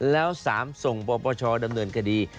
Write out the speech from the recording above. แล้ว๓ส่งปปชดำเนินคดี